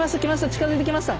近づいてきました